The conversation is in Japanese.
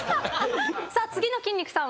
さあ次の筋肉さん